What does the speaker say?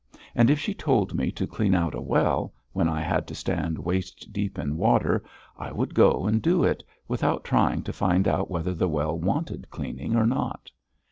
And if she told me to clean out a well, when I had to stand waist deep in water, I would go and do it, without trying to find out whether the well wanted cleaning or not.